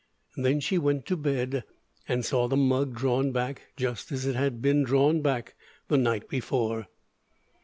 Then she went to bed, and saw the mug drawn back just as it had been drawn back the night before.